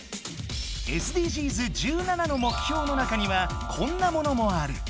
ＳＤＧｓ１７の目標の中にはこんなものもある。